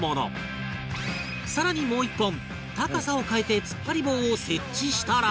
更にもう１本高さを変えて突っ張り棒を設置したら